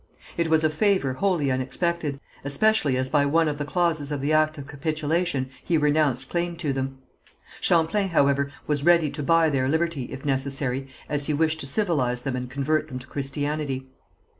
It was a favour wholly unexpected, especially as by one of the clauses of the act of capitulation he renounced claim to them. Champlain, however, was ready to buy their liberty, if necessary, as he wished to civilize them and convert them to Christianity.